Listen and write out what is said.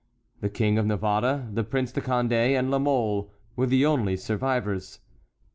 The King of Navarre, the Prince de Condé, and La Mole were the only survivors.